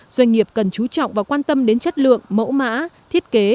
doanh nghiệp cần chú trọng và quan tâm đến chất lượng mẫu mã thiết kế